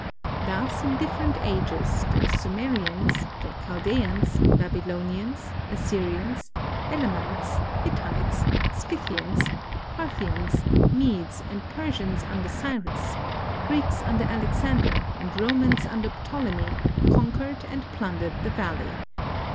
Thus in different ages the Sumarians, the Chaldeans, Babylonians, Assyrians, Elamites, Hittites, Scy thians, Parthians, Medes, and Persians under Cyrus ; Greeks under Alexander, and Romans under Ptolemy conquered and plundered the valley.